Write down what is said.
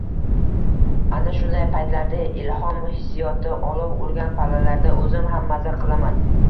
Ana shunday paytlarda, ilhom hissiyoti olov urgan pallalarda o‘zim ham mazza qilaman